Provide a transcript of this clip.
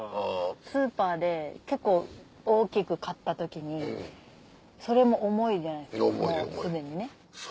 スーパーで結構大きく買った時にそれも重いじゃないですか。